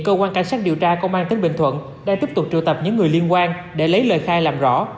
cơ quan đã trụ tập những người liên quan để lấy lời khai làm rõ